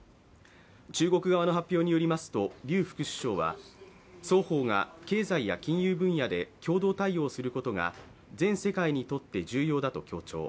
中国側の発表によりますと劉副首相は双方が経済や金融分野で共同対応することが全世界にとって重要だと強調。